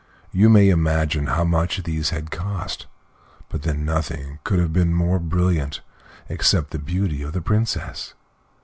You may imagine how much these had cost; but then nothing could have been more brilliant, except the beauty of the Princess!